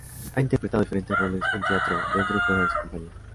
Ha interpretado diferentes roles en teatro, dentro y fuera de su compañía.